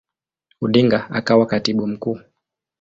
Odinga akawa Katibu Mkuu.